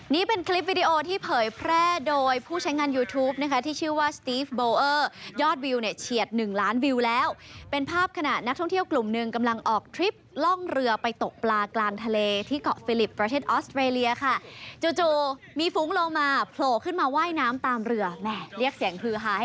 นี่เป็นคลิปวิดีโอที่เผยแพร่โดยผู้ใช้งานยูทูปนะคะที่ชื่อว่าสตีฟโบเออร์ยอดวิวเนี่ยเฉียดหนึ่งล้านวิวแล้วเป็นภาพขณะนักท่องเที่ยวกลุ่มหนึ่งกำลังออกทริปล่องเรือไปตกปลากลางทะเลที่เกาะฟิลิปประเทศออสเตรเลียค่ะจู่จู่มีฟุ้งโลมาโผล่ขึ้นมาว่ายน้ำตามเรือแม่เรียกเสียงฮือฮาให้